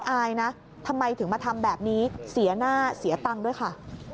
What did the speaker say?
อายนะทำไมถึงมาทำแบบนี้เสียหน้าเสียตังค์ด้วยค่ะ